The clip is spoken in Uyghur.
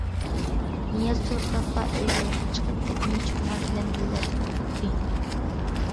نىياز توي قىلىپلا ئۆي ئايرىپ چىقىپ كەتمەي چوڭلار بىلەن بىللە تۇرۇۋاتاتتى.